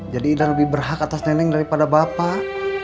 jadi idan lebih berhak atas nenek daripada bapak